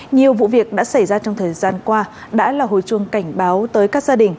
nhiều vụ việc đã xảy ra trong thời gian qua đã là hồi chuông cảnh báo tới các gia đình